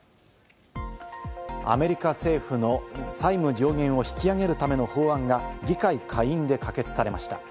アメリカ政府の債務上限を引き上げるための法案が議会下院で可決されました。